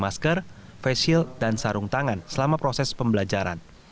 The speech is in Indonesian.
masker face shield dan sarung tangan selama proses pembelajaran